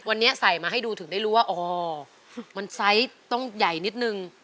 วันนี้ใส่มาให้ดูถึงได้รู้ว่าอ๋อมันไซส์ต้องใหญ่นิดนึง